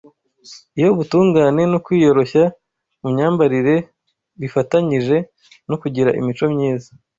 Iyo ubutungane no kwiyoroshya mu myambarire bifatanyije no kugira imico myiza